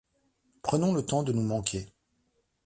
Prenons le temps de nous manquer.